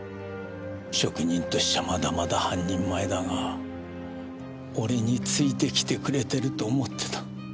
職人としちゃまだまだ半人前だが俺についてきてくれてると思ってた。